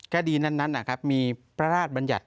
คดีนั้นนะครับมีพระราชบัญญัติ